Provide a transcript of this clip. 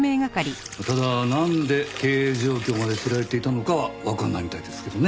ただなんで経営状況まで知られていたのかはわからないみたいですけどね。